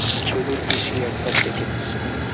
যদুর পিসি একবার ডেকেছে।